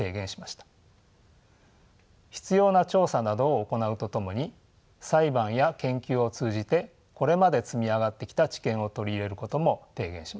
必要な調査などを行うとともに裁判や研究を通じてこれまで積み上がってきた知見を取り入れることも提言しました。